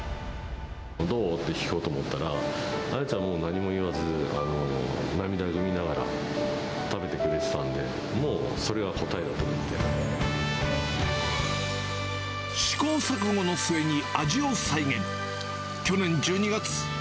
どう？って聞こうと思ったら、あやちゃんが、もう何も言わず涙ぐみながら食べてくれてたんで、もうそれが答え試行錯誤の末に味を再現。